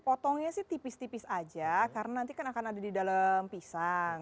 potongnya sih tipis tipis aja karena nanti kan akan ada di dalam pisang